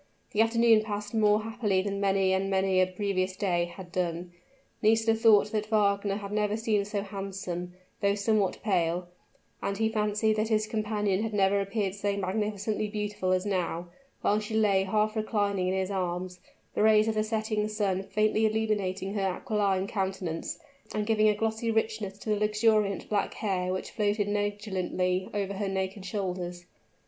The afternoon passed more happily than many and many a previous day had done; Nisida thought that Fernand had never seemed so handsome, though somewhat pale, and he fancied that his companion had never appeared so magnificently beautiful as now, while she lay half reclining in his arms, the rays of the setting sun faintly illuminating her aquiline countenance, and giving a glossy richness to the luxuriant black hair which floated negligently over her naked shoulders.